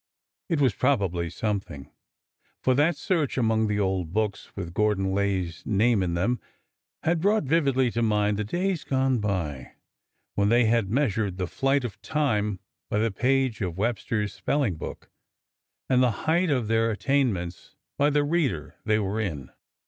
It was probably something, for that search among the old books with Gordon Lay's name in them had brought vividly to mind the days gone by, when they had measured the flight of time by the page of Webster's spelling book, and the height of their attainments by the reader they were in.